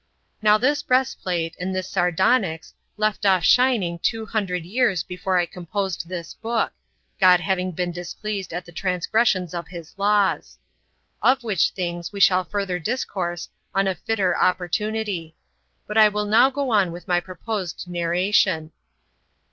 Now this breastplate, and this sardonyx, left off shining two hundred years before I composed this book, God having been displeased at the transgressions of his laws. Of which things we shall further discourse on a fitter opportunity; but I will now go on with my proposed narration.